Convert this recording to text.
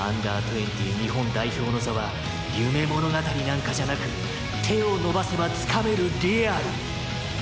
日本代表の座は夢物語なんかじゃなく手を伸ばせばつかめるリアル」